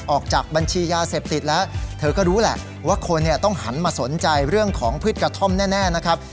ออกจากบัญชียาเสพติดแล้วเธอก็รู้แหละว่าคนเนี่ยต้องหันมาสนใจเรื่องของพืชกระท่อมแน่นะครับ